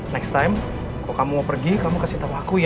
next time kok kamu mau pergi kamu kasih tahu aku ya